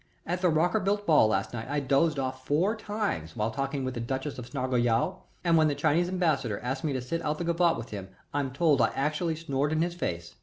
At the Rockerbilt ball last night I dozed off four times while talking with the Duchess of Snarleyow, and when the Chinese Ambassador asked me to sit out the gavotte with him I'm told I actually snored in his face.